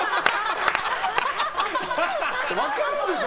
分かるでしょ！